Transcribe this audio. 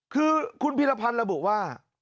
คือคุณพีรพันธ์ระบุว่า